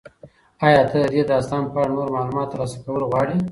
ایا ته د دې داستان په اړه نور معلومات ترلاسه کول غواړې؟